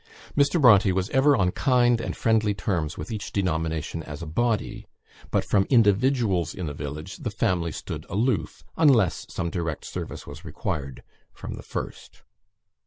Mr. Bronte was ever on kind and friendly terms with each denomination as a body; but from individuals in the village the family stood aloof, unless some direct service was required, from the first.